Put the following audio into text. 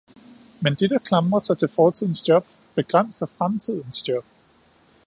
Men de, der klamrer sig til fortidens job, begrænser fremtidens job.